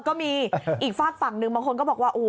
ก็มีอีกฝากฝั่งหนึ่งบางคนก็บอกว่า